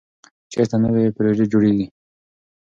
چېرته نوې پروژې جوړېږي؟